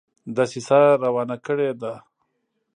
دسیسه روانه کړي ده.